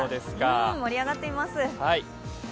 盛り上がっています。